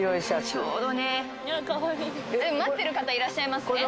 ちょうどね待ってる方いらっしゃいますね